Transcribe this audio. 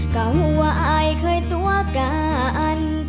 ก็หัวไอเคยตัวกัน